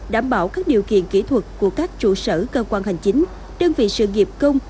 đảm bảo các điều kiện kỹ thuật của các chủ sở cơ quan hành chính đơn vị sự nghiệp công